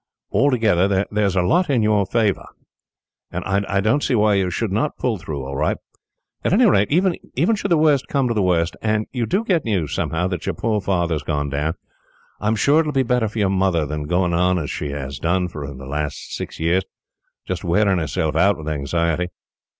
Altogether, there is a lot in your favour, and I don't see why you should not pull through all right; at any rate, even should the worst come to the worst, and you do get news, somehow, that your poor father has gone down, I am sure it will be better for your mother than going on as she has done for the last six years, just wearing herself out with anxiety."